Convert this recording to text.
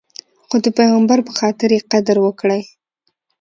خو د پیغمبر په خاطر یې قدر وکړئ.